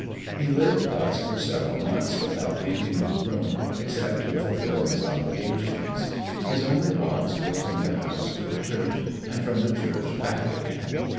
He lived thus for several months without leaving his room except to fulfil his obligations. His only walks were from the house to the church, and from the church back again.